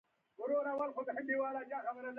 انسان باید پوه شي چې څه کول غواړي.